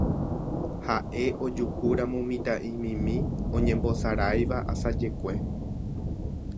Ha'e ojuhúramo mitã'imimi oñembosaráiva asajekue